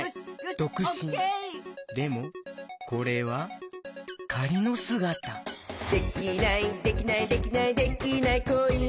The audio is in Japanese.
でもこれはかりのすがた「できないできないできないできない子いないか」